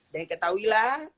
dan ketahui lah